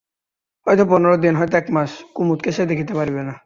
হয়তো পনেরো দিন, হয়তো একমাস কুমুদকে সে দেখিতে পাইবে না।